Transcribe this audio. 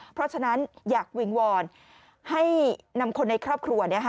เพราะฉะนั้นอยากวิงวอนให้นำคนในครอบครัว